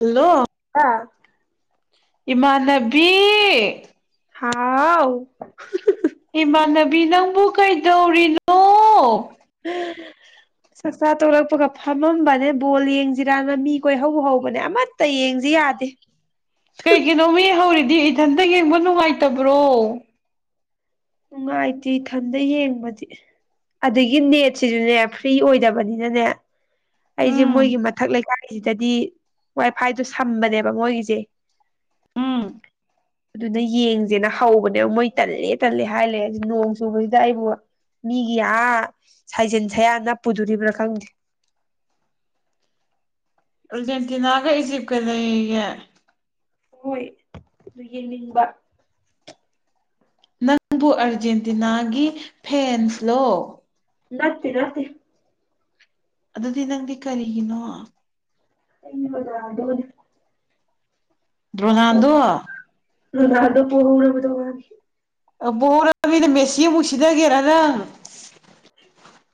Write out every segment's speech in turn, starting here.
hello ꯍꯥ ꯏꯃꯥꯟꯅꯕꯤ ꯍꯥꯎ ꯏꯃꯥꯟꯅꯕꯤ ꯅꯪꯕꯨ ꯀꯩꯗꯧꯔꯤꯅꯣ [unintelligible] ꯆꯥꯛꯆꯥ ꯇ‌ꯣꯔꯛꯄꯒ ꯐꯝꯃꯝꯕꯅꯦ ꯕꯣꯜ ꯌꯦꯡꯖꯤꯔꯥꯅ ꯃꯤ ꯀꯣꯏꯍꯧ ꯍꯧꯕꯅꯦ ꯑꯃꯠ ꯇꯌꯦꯡꯖꯤ ꯌꯥꯗꯦ ꯀꯩꯒꯤꯅꯣ ꯃꯤ ꯍꯧꯔꯤꯗꯤ ꯏꯊꯟꯇ ꯌꯦꯡꯕ ꯅꯨꯡꯉꯥꯏꯇꯕ꯭ꯔꯣ ꯅꯨꯡꯉꯥꯏꯇꯦ ꯏꯊꯟꯗ ꯌꯦꯡꯕꯗꯤ ꯑꯗꯒꯤ ꯅꯦꯠꯁꯤꯁꯨꯅꯦ ꯐ꯭ꯔꯤ ꯑꯣꯏꯗꯕꯅꯤꯅꯅꯦ ꯑꯩꯁꯦ ꯎꯝ ꯃꯣꯏꯒꯤ ꯃꯊꯛ ꯂꯩꯀꯥꯏꯒꯤꯁꯤꯗꯗꯤ ꯋꯥꯏ ꯐꯥꯏꯗꯣ ꯁꯝꯕꯅꯦꯕ ꯃꯣꯏꯒꯤꯁꯦ ꯎꯝ ꯑꯗꯨꯅ ꯌꯦꯡꯁꯦꯅ ꯍꯧꯕꯅꯦꯕ ꯃꯣꯏ ꯇꯜꯂꯦ ꯇꯜꯂꯦ ꯍꯥꯏꯂꯩ ꯑꯗꯩ ꯅꯣꯡ ꯆꯨꯕꯁꯤꯗ ꯑꯩꯕꯨ ꯃꯤꯒꯤ ꯑꯥ ꯁꯥꯏꯖꯝꯟ ꯁꯌꯥ ꯅꯞꯄꯨꯗꯣꯔꯤꯕ꯭ꯔꯥ ꯈꯪꯗꯦ ꯑꯔꯖꯦꯟꯇꯤꯅꯥꯒ ꯏꯁꯤꯞꯀ ꯂꯩꯌꯦꯌꯦ ꯍꯣꯏ ꯑꯗꯨ ꯌꯦꯡꯅꯤꯡꯕ ꯅꯪꯕꯨ ꯑꯔꯖꯦꯟꯇꯤꯅꯥꯒꯤ ꯐꯦꯟꯁꯂꯣ ꯅꯠꯇ‌ꯦ ꯅꯠꯇ‌ꯦ ꯑꯗꯨꯗꯤ ꯅꯪꯗꯤ ꯀꯔꯤꯅꯣ ꯑꯩꯗꯤ ꯔ‌ꯣꯅꯥꯜꯗ‌ꯣꯅ‌‌ꯦ ꯑꯣ ꯔ‌ꯣꯅꯥꯜꯗ‌ꯣ [unintelligible] ꯑ ꯕꯣꯔꯛꯑꯝꯅꯤꯅ ꯃꯦꯁꯤ ꯃꯨꯛ ꯁꯤꯗꯒꯦꯔ ꯅꯪ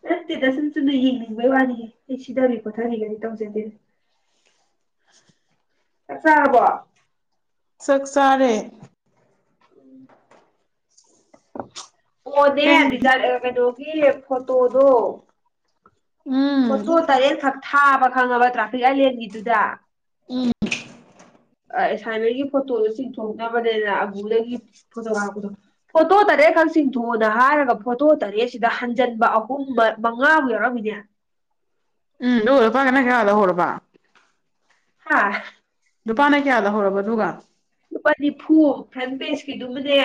ꯅꯠꯇꯦꯗ ꯁꯨꯝ ꯆꯨꯝꯅ ꯌꯦꯡꯅꯤꯡꯕꯩ ꯋꯥꯅꯤꯍ‌ꯦ ꯑꯩ ꯁꯤꯊꯕꯤ ꯈꯣꯠꯊꯕꯤꯒ ꯑꯩ ꯇꯧꯖꯗꯦ ꯆꯥꯛ ꯆꯥꯔꯕ‌ꯣ ꯆꯥꯛ ꯆꯥꯔꯦ ꯑꯣꯅꯦ ꯀꯩ ꯗꯤꯗ ꯀꯩꯅ‌ꯣꯒꯤ ꯐꯣꯇꯣꯗꯣ ꯎꯝ ꯐꯣꯇꯣ ꯇꯔꯦꯠꯈꯛ ꯊꯥꯕ ꯈꯪꯉꯕ ꯇ꯭ꯔꯥꯐꯤꯛ ꯑꯥꯏꯂꯦꯟꯒꯤꯗꯨꯗ ꯎꯝ ꯑꯥ ꯑꯦꯁꯥꯏꯃꯦꯟꯒꯤ ꯐꯣꯇꯣꯗꯣ ꯆꯤꯡꯊꯣꯛꯅꯕꯅꯦꯅ ꯑꯕꯨꯗꯒꯤ ꯐꯣꯇꯣ ꯀꯥꯞꯄꯗꯣ ꯐꯣꯇꯣ ꯇꯔꯦꯠꯈꯛ ꯆꯤꯡꯊꯣꯛꯑꯣꯅ ꯍꯥꯏꯔꯒ ꯐꯣꯇꯣ ꯇꯔꯦꯠꯁꯤꯗ ꯍꯟꯖꯤꯟꯕ ꯑꯍꯨꯝ ꯃꯉꯥꯃꯨꯛ ꯌꯥꯎꯔꯝꯃꯤꯅꯦ ꯎꯝ ꯑꯗꯨꯒ ꯂꯨꯄꯥꯅ ꯀꯌꯥ ꯂꯧꯍꯧꯔꯕ ꯍꯥꯥ ꯅꯨꯄꯥꯅ ꯀꯌꯥ ꯂꯧꯍꯧꯔꯕ ꯗꯨꯒ ꯂꯨꯄꯥ ꯅꯤꯐꯨ ꯐ꯭ꯔꯟ ꯄꯦꯖꯀꯤꯗꯨꯃꯅꯦ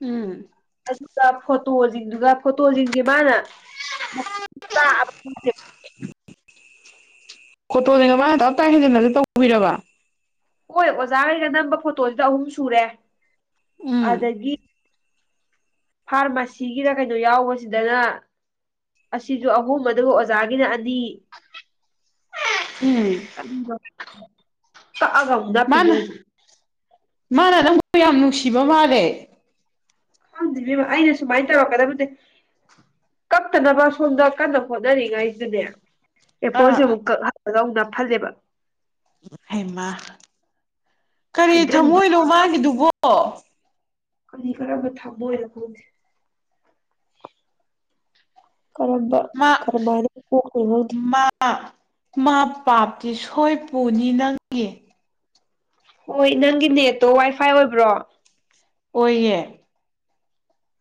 ꯎꯝ ꯑꯗꯨꯒ ꯐꯣꯇꯣꯁꯤꯡꯗꯨꯒ ꯐꯣꯇꯣꯁꯤꯡꯁꯦ ꯃꯥꯅ [unintelligible] ꯑꯕ ꯈꯪꯗ‌ꯦ ꯐꯣꯇꯣꯅꯦꯒ ꯃꯥꯅ ꯇꯞꯇꯥꯏ ꯍꯦꯟꯖꯤꯟꯂꯒ ꯇꯧꯕꯤꯔꯕ ꯍꯣꯏ ꯑꯣꯖꯥꯈꯩꯒ ꯅꯝꯕ ꯐꯣꯇꯣꯁꯤꯗ ꯑꯍꯨꯝ ꯁꯨꯔꯦ ꯎꯝ ꯑꯗꯒꯤ ꯐꯥꯔꯃꯥꯁꯤꯒꯤꯔ ꯀꯩꯅꯣ ꯌꯥꯎꯕꯁꯤꯗꯅ ꯑꯁꯤꯁꯨ ꯑꯍꯨꯝ ꯑꯗꯨꯒ ꯑꯣꯖꯥꯒꯤꯅ ꯑꯅꯤ [unintelligible] ꯀꯔꯤꯅ‌ꯣ ꯀꯛꯑꯒ ꯑ ꯃꯥꯅ ꯃꯥꯅ ꯅꯪꯕꯨ ꯌꯥꯝ ꯅꯨꯡꯁꯤꯕ ꯃꯥꯜꯂꯦ ꯈꯪꯗ‌ꯦ ꯏꯕ‌ꯦꯝꯃ ꯑꯩꯅ ꯁꯨꯃꯥꯏꯅ ꯇꯧꯔꯛꯀꯗꯕꯅꯤ ꯀꯛꯇꯅꯕ ꯁꯣꯝꯗ ꯀꯟꯅ ꯍꯣꯠꯅꯔꯤꯉꯩꯁꯤꯗꯅꯦ ꯑꯦ ꯐꯣꯔꯁꯦ ꯑꯥ ꯑꯃꯨꯛ ꯀꯛꯍꯜꯂꯒ ꯑꯃꯨꯛ ꯅꯥꯞꯐꯜꯂꯦꯕ ꯍꯩꯃ ꯀꯔꯤ ꯐꯩꯗ꯭ꯔꯪ ꯊꯝꯃꯣꯏꯅꯣ ꯃꯥꯒꯤꯗꯨꯕꯣ ꯀꯅꯤ ꯀꯔꯥꯝꯕ ꯊꯃꫭꯏ ꯅꫭ ꯈꯪꯗꯦ ꯀꯔꯝꯕ ꯃꯥ ꯀꯔꯃꯥꯏꯅꯕꯨ UNINTELLIGIBLE ꯃꯥ ꯃꯥ ꯄꯥꯞꯇꯤ ꯁꯣꯏ ꯄꯨꯅꯤ ꯅꯪꯒꯤ ꯍꯣꯏ ꯅꯪꯒꯤ ꯅꯦꯠꯇꯣ ꯋꯥꯏꯐꯥꯏ ꯑꯣꯏꯕ꯭ꯔꯣ ꯑꯣꯏꯌꯦ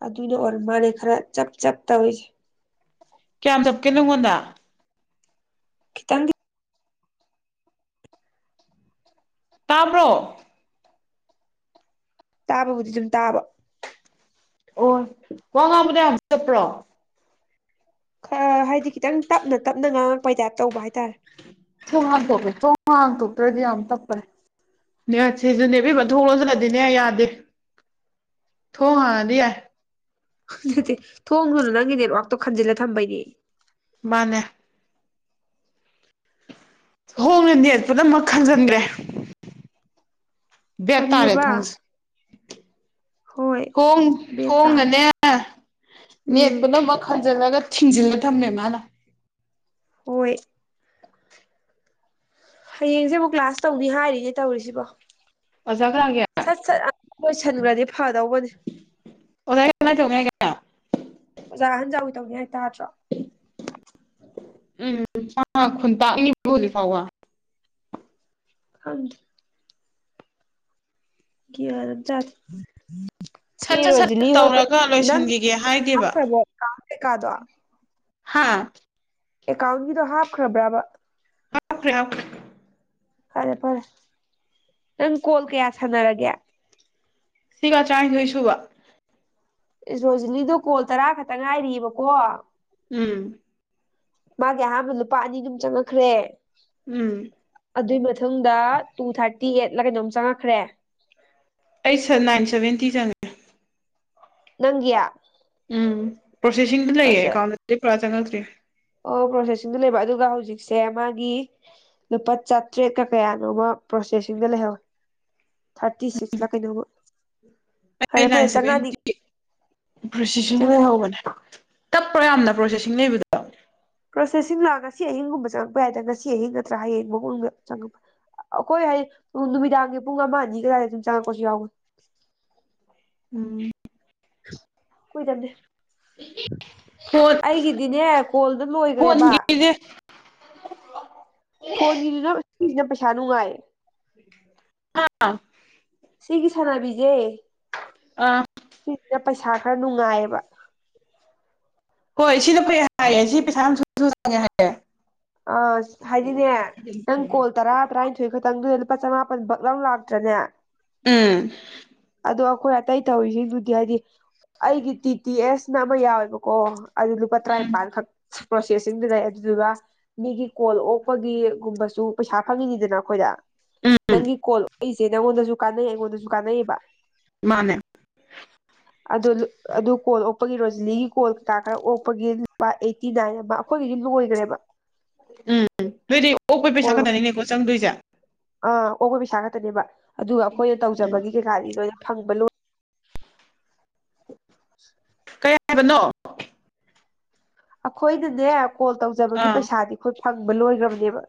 ꯑꯗꯨꯅ ꯑꯣꯔ ꯃꯥꯂꯦ ꯈꯔ ꯆꯞ ꯆꯞ ꯇꯧꯔꯤꯁꯦ ꯀꯌꯥꯝ ꯆꯞꯀꯦ ꯅꯪꯉꯣꯟꯗ ꯈꯤꯇꯪꯗꯤ ꯇꯥꯕ꯭ꯔꯣ ꯇꯥꯕꯕꯨꯗꯤ ꯑꯗꯨꯝ ꯇꯥꯕ ꯑꯣ ꯋꯥ ꯉꯥꯡꯕꯗ ꯌꯥꯝ ꯆꯞꯄ꯭ꯔꯣ ꯈꯔ ꯍꯥꯏꯗꯤ ꯈꯤꯇꯪ ꯇꯞꯅ ꯇꯞꯅ ꯉꯥꯡꯉꯛꯄꯩ ꯇꯥꯏꯞ ꯇꯧꯕ ꯍꯥꯏꯇꯥꯔꯦ ꯊꯣꯡ ꯍꯥꯡꯗ‌ꯣꯛꯀ‌ꯦ ꯊꯣꯡ ꯍꯥꯡꯗ‌ꯣꯛꯇ꯭ꯔꯗꯤ ꯌꯥꯝ ꯇꯞꯄ‌ꯦ ꯅꯦꯠꯁꯤꯁꯨꯅꯦ ꯏꯕ‌ꯦꯝꯃ ꯊꯣꯡ ꯂ‌ꯣꯟꯁꯜꯂꯗꯤꯅ‌ꯦ ꯌꯥꯗꯦ ꯎꯝ ꯊꯣꯡ ꯍꯥꯡꯉꯗꯤ ꯌꯥꯏ ꯅꯠꯇ‌ꯦ ꯊꯣꯡꯗꯨꯅ ꯅꯪꯒꯤ ꯅꯦꯠꯋꯥꯛꯇꯣ ꯈꯟꯖꯤꯜꯂ ꯊꯝꯕꯩꯅꯦ ꯃꯥꯟꯅꯦ ꯈ‌ꯣꯡꯅ ꯅꯦꯠꯄꯗ ꯃꯈꯥ ꯆꯟꯈ꯭ꯔꯦ ꯕꯩꯠꯇꯔꯦ ꯀꯔꯤꯑꯕ ꯊꯣꯡꯁꯦ ꯍꯣꯏ ꯊꯣꯡ ꯕꯦꯠ ꯇꯥꯔꯦ ꯊꯣꯡꯅꯅꯦ ꯎꯝ ꯅꯦꯛꯄꯗ ꯕꯥꯛ ꯈꯟꯖꯤꯜꯂꯒ ꯊꯤꯡꯖꯤꯜꯂ ꯊꯝꯃꯦ ꯃꯥꯅ ꯍꯣꯏ ꯍꯌꯦꯡꯁꯦ ꯑꯃꯨꯛ ꯀ꯭ꯂꯥꯁ ꯇꯧꯕꯤ ꯍꯥꯏꯔꯤꯒꯦ ꯇꯧꯔꯤꯁꯤꯕꯣ ꯑꯣꯖꯥ ꯀꯅꯥꯒꯤ ꯁꯠ ꯁꯠ ꯂꯣꯏꯁꯟꯈ꯭ꯔꯗꯤ ꯐꯗꯧꯕꯅꯦ ꯑꯣ ꯀꯅꯥ ꯆꯣꯡꯉꯦ ꯀ ꯑꯣꯖꯥ ꯑꯍꯟꯖ ꯓꯥꯎꯒꯤ ꯇꯧꯅꯤ ꯍꯥꯏꯇꯥꯗ꯭ꯔꯣ ꯎꯝ ꯈꯨꯨꯟ ꯇꯥꯛꯜꯂꯤ ꯐꯥꯎ ꯈꯥꯡꯗꯦ ꯒꯤꯌꯥꯟ ꯑꯃꯥ ꯇꯥꯗꯦ ꯃꯤ ꯁꯠ ꯁꯠ ꯁꯠ ꯔꯣꯖꯤꯂꯤ ꯍꯣꯏ ꯇꯧꯔꯒ ꯅꯪꯒꯤ ꯂꯣꯏꯁꯤꯟꯈꯤꯒꯦ ꯍꯥꯏꯗꯦꯕ ꯍꯥꯞꯈ꯭ꯔꯕꯣꯥ ꯑꯦꯀꯥꯟ ꯀꯤꯀꯥꯗꯣ ꯍꯥꯥ ꯑꯦꯀꯥꯎꯟꯒꯤꯗꯣ ꯍꯥꯞꯈ꯭ꯔꯕ꯭ꯔꯕ ꯍꯥꯞꯈ꯭ꯔꯦ ꯍꯥꯞꯈ꯭ꯔꯦ ꯐꯔꯦ ꯐꯔꯦ ꯅꯪ ꯀꯣꯜ ꯀꯌꯥ ꯁꯥꯟꯅꯔꯒꯦ ꯁꯤꯒ ꯇꯔꯥꯅꯤꯊꯣꯏ ꯁꯨꯕ ꯔꯣꯖꯤꯂꯤꯗꯣ ꯀꯣꯜ ꯇꯔꯥ ꯈꯛꯇ ꯉꯥꯏꯔꯤꯕꯀꯣ ꯎꯝ ꯃꯥꯒꯤ ꯑꯍꯥꯟꯕꯗ ꯂꯨꯄꯥ ꯑꯅꯤ ꯑꯗꯨꯝ ꯆꯪꯉꯛꯈ꯭ꯔꯦ ꯎꯝ ꯑꯗꯨꯏ ꯃꯊꯪꯗ ꯇꯨ ꯊꯥꯔꯇꯤ ꯑꯩꯠꯂ ꯀꯩꯅꯣꯝ ꯆꯪꯉꯛꯈ꯭ꯔꯦ ꯑꯩꯠ ꯁꯥꯔ ꯅꯥꯏꯟ ꯁꯕꯦꯟꯇꯤ ꯆꯪꯉꯦ ꯅꯪꯒꯤ ꯎꯝ ꯄ꯭ꯔꯣꯁꯦꯁꯤꯡꯗꯨ ꯂꯩꯌꯦ ꯐꯖ ꯑꯦꯀꯥꯎꯟꯗꯗꯤ ꯄꯨꯔꯥ ꯆꯪꯉꯛꯇ꯭ꯔꯤ ꯑꯣ ꯄ꯭ꯔꯣꯁꯦꯁꯤꯡꯗꯨꯣ ꯂꯩꯕ ꯑꯗꯨꯒ ꯍꯧꯖꯤꯛꯁꯦ ꯃꯥꯒꯤ ꯂꯨꯄꯥ ꯆꯥꯇ꯭ꯔꯦꯠꯀ ꯀꯌꯥꯅꯣꯃ ꯄ꯭ꯔꯣꯁꯦꯁꯤꯡꯗ ꯂꯩꯍꯧꯋꯤ ꯊꯥꯔꯇꯤ ꯁꯤꯛꯁ ꯂ ꯀꯩꯅꯣꯃꯥ ꯐꯔꯦ ꯐꯔꯦ ꯆꯥꯉꯛꯑꯗꯤ ꯄ꯭ꯔꯣꯁꯦ ꯂꯩꯍꯧꯕꯅꯦ ꯇꯞꯄ꯭ꯔ ꯌꯥꯝꯅ ꯄ꯭ꯔꯣꯁꯦꯁꯤꯡ ꯂꯩꯕꯗꫭ ꯄ꯭ꯔꯣꯁꯦꯁꯁꯤꯡ ꯂꯥꯛ ꯉꯁꯤ ꯑꯍꯤꯡꯒꯨꯝꯕ ꯆꯪꯉꯛꯄ ꯌꯥꯏꯗꯅ ꯉꯁꯤ ꯑꯍꯤꯡ ꯅꯠꯇ꯭ꯔꯥ ꯍꯌꯦꯡ ꯐꯥꯎ ꯃꯅꯨꯡꯗ ꯆꯪꯛꯄ ꯑꯩꯈꯣꯏ ꯍꯥꯏ ꯅꯨꯃꯤꯗꯥꯡꯒꯤ ꯄꯨꯡ ꯑꯃ ꯑꯅꯤ ꯀꯗꯥꯏꯗ ꯑꯗꯨꯝ ꯆꯪꯉꯛꯄꯁꯨ ꯌꯥꯎꯕꯅꯦ ꯎꯝ ꯀꯨꯏꯗꯕꯅꯦ ꯐꯣꯟ ꯑꯩꯒꯤꯗꯤꯅꯦ ꯀꯣꯜꯗ ꯂꯣꯏꯈ꯭ꯔꯦꯕ ꯀ [inaudible] ꯐꯣꯟꯒꯤꯁꯤꯅ ꯁꯤꯁꯤꯅ ꯄꯩꯁꯥ ꯅꯨꯡꯉꯥꯏꯌꯦ ꯍꯥ [unintelligible] ꯁꯤꯒꯤ ꯁꯥꯟꯅꯕꯤꯁꯦ ꯑ ꯁꯤꯁꯤꯅ ꯄꯩꯁꯥ ꯈꯔ ꯅꯨꯡꯉꯥꯏꯌꯦꯕ ꯍꯣꯏ ꯁꯤꯗ ꯐꯩ ꯍꯥꯏꯌꯦ ꯁꯤ ꯄꯩꯁꯥ ꯑꯃꯁ ꯁꯁꯨ ꯆꯪꯉꯦ ꯍꯥꯏꯌꯦ ꯑ ꯍꯥꯏꯗꯤꯅꯦ ꯅꯪ ꯀꯣꯜ ꯇꯔꯥ ꯇꯔꯥꯅꯤꯊꯣꯏ ꯈꯛꯇꯪꯗꯨꯗ ꯂꯨꯄꯥ ꯆꯃꯥꯄꯜꯟ ꯕꯛ ꯂꯧꯎ ꯂꯥꯛꯇ꯭ꯔꯅꯦ ꯎꯝ ꯑꯗꯣ ꯑꯩꯈꯣꯏ ꯑꯇꯩ ꯇꯧꯔꯤꯁꯤꯡꯗꯨꯗꯤ ꯍꯥꯏꯗꯤ ꯑꯩꯒꯤ ꯇꯤ ꯇꯤ ꯑꯦꯁꯅ ꯑꯃ ꯌꯥꯎꯋꯦꯕꯀꯣ ꯑꯗꯨ ꯂꯨꯄꯥ ꯇꯔꯥꯅꯤꯄꯥꯜꯈꯛ ꯄ꯭ꯔꯣꯁꯦꯁꯤꯡꯗꯨ ꯂꯩ ꯑꯗꯨꯗꯨꯒ ꯃꯤꯒꯤ ꯀꯣꯜ ꯑꯣꯛꯄꯒꯤꯒꯨꯝꯕꯁꯨ ꯄꯩꯁꯥ ꯐꯪꯉꯤꯅꯤꯗꯅ ꯑꯩꯈꯣꯏꯗ ꯎꯝ ꯅꯪꯒꯤ ꯀꯣꯜ ꯑꯣꯏꯛꯏꯁꯦ [unintelligible] ꯅꯪꯉꯣꯟꯗꯁꯨ ꯀꯥꯟꯅꯩ ꯑꯩꯉꯣꯟꯗꯁꯨ ꯀꯥꯟꯅꯩꯌ‌ꯦꯕ ꯃꯥꯅꯦ [unintelligible] ꯑꯗꯨ ꯑꯗꯨ ꯀꯣꯜ ꯑꯣꯛꯄꯒꯤ ꯔꯣꯖꯤꯂꯤꯒꯤ ꯀꯣꯜ ꯀꯩꯀꯥ ꯈꯔ ꯑꯣꯛꯄꯒꯤ ꯂꯥꯛꯏ ꯇꯤ ꯅꯥꯏꯕ ꯑꯩꯈꯣꯏꯒꯤꯗꯤ ꯂꯣꯏꯒ꯭ꯔꯦꯕ ꯎꯝ ꯅꯣꯏꯗꯤ ꯑꯣꯛꯄꯩ ꯀꯣꯜ ꯄꯩꯁꯥ ꯈꯛꯇꯅꯤꯅꯦꯀꯣ ꯆꯪꯗꯣꯏꯁꯦ ꯑꯥ ꯑꯣꯄ ꯄꯩꯁꯥ ꯈꯛꯇꯅꯦꯕ ꯑꯗꯨꯒ ꯑꯩꯈꯣꯏꯅ ꯎꯝ ꯇꯧꯖꯕꯒꯤ ꯀꯩꯀꯥꯗꯤ ꯂꯣꯏꯅ ꯐꯪꯕ ꯂꯣꯏ [unintelligible] ꯀꯌꯥ ꯍꯥꯏꯕꯅꯣ ꯑꯩꯈꯣꯏꯅꯅꯦ ꯀꯣꯜ ꯇꯧꯖꯕꯒꯤ ꯑꯥ ꯄꯩꯁꯥꯗꯤ ꯑꯩꯈꯣꯏ ꯐꯪꯕ ꯂꯣꯏꯈ꯭ꯔꯕꯅꯦꯕ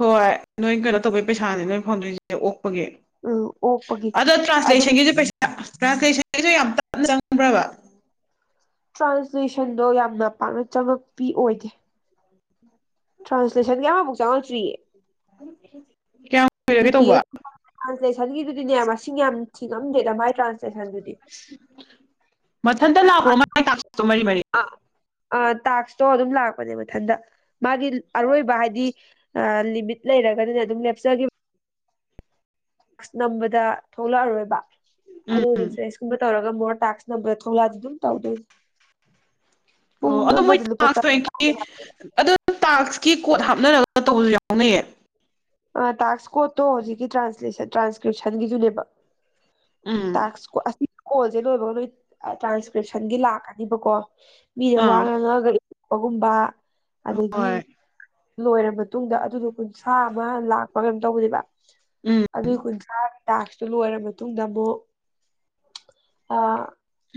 ꯍꯣꯏ ꯅꯣꯏ ꯀꯩꯅꯣ ꯇꯧꯕꯩ ꯄꯩꯁꯥꯅꯤ ꯅꯣꯏ ꯐꯪꯗꯣꯏꯔꯤꯁꯦ ꯑꯣꯛꯄꯒꯤ ꯎꯝ ꯑꯣꯛꯄꯒꯤ ꯑꯗꯣ ꯇ꯭ꯔꯥꯟꯁꯂꯦꯁꯟꯒꯤꯁꯨ ꯄꯩꯁꯥ ꯇ꯭ꯔꯥꯟꯁꯂꯦꯁꯟꯒꯤꯁꯨ [unintelligible] ꯌꯥꯝ ꯇꯞꯅ ꯆꯪꯕ꯭ꯔꯕ ꯇ꯭ꯔꯥꯟꯁꯂꯦꯁꯟꯗꯣ ꯌꯥꯝꯅ ꯄꯥꯛꯅ ꯆꯪꯉꯛꯄꯤ ꯑꯣꯏꯗꯦ ꯇ꯭ꯔꯥꯟꯁꯂꯦꯁꯟ ꯑꯃꯃꯕꯨꯛ ꯆꯪꯉꯛꯇ꯭ꯔꯤꯌꯦ ꯀꯌꯥꯝ ꯇꯤ ꯀꯨꯏꯔꯒꯦ ꯇꯤ ꯇꯧꯕ ꯑꯦꯁ ꯇ꯭ꯔꯥꯟꯁꯂꯦꯁꯟꯒꯤꯗꯨꯗꯤꯅꯦ ꯃꯁꯤꯡ ꯌꯥꯝ ꯊꯤꯉꯝꯗꯦꯗ ꯃꯥꯏ ꯇ꯭ꯔꯥꯟꯁꯂꯦꯁꯟꯗꯨꯗꯤ ꯃꯊꯟꯇ ꯂꯥꯛꯄ꯭ꯔꯣ ꯃꯥꯏ ꯀꯥꯛꯇꯣ ꯃꯔꯤ ꯃꯔꯤ ꯑꯥ ꯑꯥ ꯇꯥꯛꯁꯇꯣ ꯑꯗꯨꯝ ꯂꯥꯛꯄꯅꯦ ꯃꯊꯟꯇ ꯃꯥꯒꯤ ꯑꯔꯣꯏꯕ ꯍꯥꯏꯗꯤ ꯂꯤꯃꯤꯠ ꯂꯩꯔꯒꯅꯤꯅꯦ ꯑꯗꯨꯝ ꯂꯦꯄꯆꯈꯤꯕ ꯅꯝꯕꯗ ꯊꯣꯛꯂꯛꯑꯔꯣꯏꯕ ꯎꯝ ꯑꯗꯨ ꯎꯝ ꯔꯤꯐ꯭ꯔꯦꯁ [unintelligible] ꯁ ꯇꯧꯔꯒ ꯃꯣꯔ ꯇꯥꯛꯁ ꯅꯝꯕꯔ ꯊꯣꯛꯂꯛꯑꯗꯤ ꯑꯗꯨꯝ ꯇꯧꯗꯦ ꯑꯣ ꯑꯗꯣ ꯃꯣꯏ ꯂꯨꯄꯥ ꯇꯥꯛꯁ ꯍꯒꯤ ꯆꯥꯝꯃ [unintelligible] ꯑꯗꯨ ꯇꯥꯛꯁꯀꯤ ꯀꯣꯠ ꯍꯥꯞꯅꯔꯒ ꯇꯧꯕꯁꯨ ꯌꯥꯎꯅꯩꯌꯦ ꯇꯥꯛꯁ ꯀꯣꯠꯇꯣ ꯍꯧꯖꯤꯛꯀꯤ ꯇ꯭ꯔꯥꯟꯂꯦꯁꯟ ꯇ꯭ꯔꯥꯟꯁꯀ꯭ꯔꯤꯞꯁꯟꯒꯤꯖꯅꯦꯕ ꯎꯝ ꯇꯁ ꯑꯁꯤ ꯀꯣꯜꯁꯦ ꯂꯣꯏꯕ ꯅꯣꯏ ꯇ꯭ꯔꯥꯟꯁꯀ꯭ꯔꯤꯞꯁꯟꯒꯤ ꯂꯥꯛꯀꯅꯤꯕꯀꯣ ꯃꯤꯗ ꯋꯥ ꯑꯥ ꯉꯥꯡꯉꯒ ꯏꯄꯒꯨꯝꯕ ꯑꯗꯒꯤ ꯍꯣꯏ ꯂꯣꯏꯔ ꯃꯇꯨꯡꯗ ꯑꯗꯨꯗꯣ ꯀꯨꯟꯊ꯭ꯔꯥ ꯑꯃ ꯂꯥꯛꯄ ꯀꯩꯅꯣ ꯇꯧꯕꯅꯦꯕ ꯎꯝ ꯑꯗꯨꯒꯤ ꯀꯨꯟꯊ꯭ꯔꯥ ꯇꯥꯛꯁꯇꯨ ꯂꯣꯏꯔ ꯃꯇꯨꯡꯗ ꯑꯃꯨꯛ ꯑ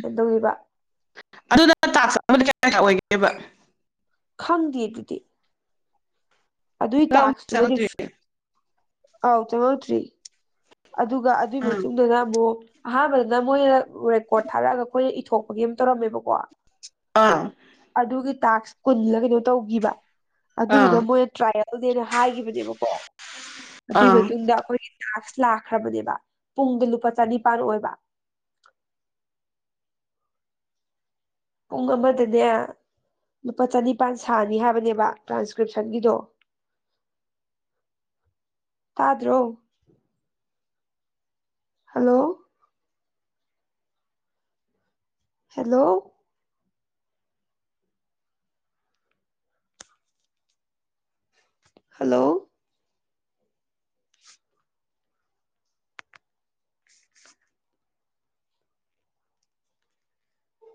ꯀꯩꯅꯣ ꯇꯧꯕ [unintelligible] ꯑꯗꯨꯗ ꯇꯥꯛ ꯆꯕꯗ ꯀꯌꯥ ꯀꯌꯥ ꯑꯣꯏꯒꯦꯕ [inaudible] ꯈꯪꯗꯦ ꯑꯗꯨꯗꯤ ꯑꯗꯨꯏ ꯇꯥꯛꯁꯇꯨꯃꯗꯤ ꯆꯪꯉꯛꯇꯣꯏꯅꯦ ꯑꯥꯎ ꯆꯉꯧꯛꯇ꯭ꯔꯤ [unintelligible] ꯑꯗꯨꯒ ꯑꯗꯨꯒꯤ ꯑꯥ ꯃꯇꯨꯡꯗꯅ ꯑꯃꯨꯛ ꯑꯍꯥꯟꯕꯗꯅ ꯃꯣꯏꯅ ꯔꯦꯀꯣꯔꯠ ꯊꯥꯔꯛꯑꯒ ꯑꯩꯈꯣꯏꯅ ꯏꯊꯣꯛ ꯑꯩꯒꯤ ꯑꯃ ꯇꯧꯔꯝꯃꯦꯕꯀꯣ ꯑꯥ ꯑꯗꯨꯒꯤ ꯇꯥꯛꯁ ꯀꯨꯜꯂ ꯀꯩꯅꯣ ꯇꯧꯈꯤꯕ ꯑꯥ ꯑꯗꯨꯗꯨꯗ ꯃꯣꯏꯅ ꯇ꯭ꯔꯥꯏꯌꯦꯜ ꯇꯗꯦꯅ ꯍꯥꯏꯈꯤꯕꯅꯦꯕꯀꯣ ꯑꯗꯨꯒꯤ ꯑꯥ ꯃꯇꯨꯡꯗ ꯑꯩꯈꯣꯏꯒꯤ ꯇꯥꯁ ꯂꯥꯛꯈ꯭ꯔꯕꯅꯦꯕ ꯄꯨꯡꯗ ꯂꯨꯄꯥ ꯆꯅꯤꯄꯥꯜ ꯑꯣꯏꯕ ꯎꯨꯡꯃ ꯑꯗꯨꯗꯤꯌꯥ ꯂꯨꯄꯥ ꯆꯅꯤꯄꯥꯥꯟ ꯁꯥꯅꯤ ꯍꯥꯏꯕꯅꯦꯕ ꯇ꯭ꯔꯥꯟꯁꯀ꯭ꯔꯤꯞꯁꯟꯒꯤꯗꯣ ꯑ ꯇꯥꯗ꯭ꯔꯣ ꯍꯜꯂꯣ ꯍꯦꯜꯂꯣ ꯍꯜꯂꯣ